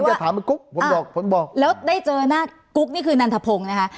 จะถามคุณกุ๊กผมบอกผมบอกแล้วได้เจอหน้ากุ๊กนี่คือนันทพงศ์นะคะ